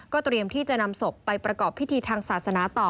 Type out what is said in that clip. เตรียมที่จะนำศพไปประกอบพิธีทางศาสนาต่อ